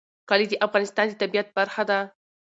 کلي د افغانستان د طبیعت برخه ده.